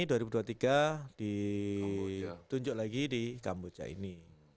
di dua ribu dua puluh tiga ditunjuk lagi di kamboja ini